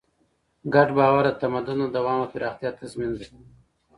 ګډ باور د تمدن د دوام او پراختیا تضمین دی.